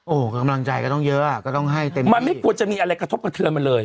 โอ้โหกำลังใจก็ต้องเยอะอ่ะก็ต้องให้เต็มมันไม่ควรจะมีอะไรกระทบกระเทือนมันเลย